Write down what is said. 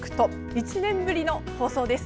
１年ぶりの放送です。